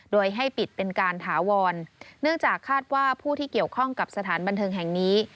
โดยให้ปิดเป็นการถาวรเนื่องจากคาดว่าผู้ที่เกี่ยวข้องกับสถานบันเทิงแห่งนี้